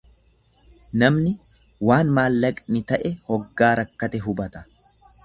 Namni waan maallaqni ta'e hoggaa rakkate hubata.